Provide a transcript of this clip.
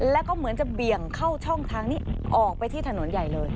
แล้วก็เหมือนจะเบี่ยงเข้าช่องทางนี้ออกไปที่ถนนใหญ่เลย